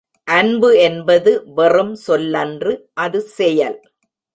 அன்பு என்பது வெறும் சொல்லன்று அது செயல்.